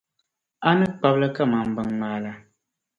A ni kpabi li kaman biŋŋmaa la.